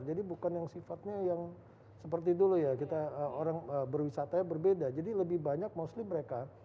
jadi bukan yang sifatnya yang seperti dulu ya kita orang berwisata berbeda jadi lebih banyak bosli mereka